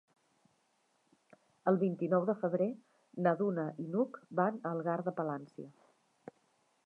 El vint-i-nou de febrer na Duna i n'Hug van a Algar de Palància.